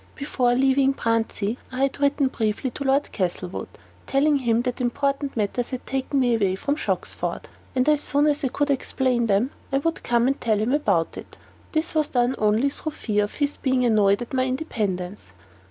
Before leaving Bruntsea I had written briefly to Lord Castlewood, telling him that important matters had taken me away from Shoxford, and as soon as I could explain them, I would come and tell him all about it. This was done only through fear of his being annoyed at my independence.